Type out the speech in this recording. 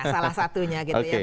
salah satunya gitu ya